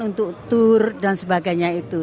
untuk tur dan sebagainya itu